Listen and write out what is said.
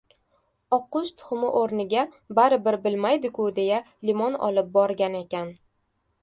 oqqush tuxumi o‘rniga baribir bilmaydi-ku, deya limon olib borgan ekan.